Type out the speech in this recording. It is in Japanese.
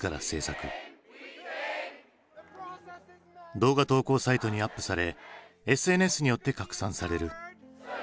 動画投稿サイトにアップされＳＮＳによって拡散される。